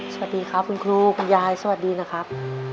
สวัสดีครับคุณครูคุณยายสวัสดีนะครับ